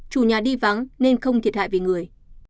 chủ nhà đi vắng nên không thiệt hại về người